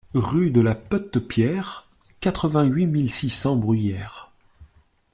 Rue de la Peute Pierre, quatre-vingt-huit mille six cents Bruyères